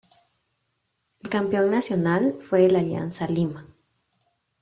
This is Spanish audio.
El campeón nacional fue el Alianza Lima.